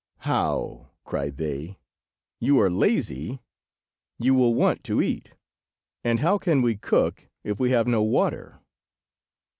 "How!" cried they. "You are lazy! You will want to eat, and how can we cook if we have no water?